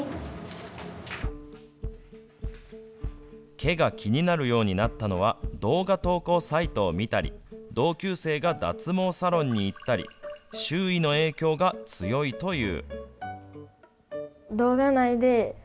毛が気になるようになったのは、動画投稿サイトを見たり、同級生が脱毛サロンに行ったり、周囲の影響が強いという。